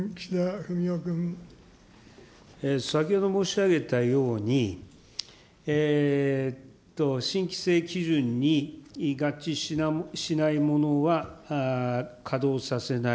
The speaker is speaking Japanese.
先ほど申し上げたように、新規制基準に合致しないものは稼働させない。